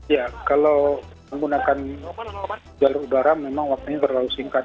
ya kalau menggunakan jalur udara memang waktunya terlalu singkat